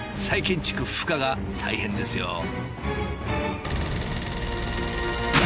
再建築不可が大変ですよ。